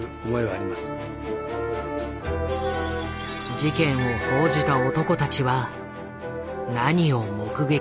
事件を報じた男たちは何を目撃したのか。